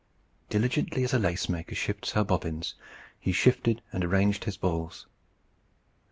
Diligently as a lace maker shifts her bobbins, he shifted and arranged his balls.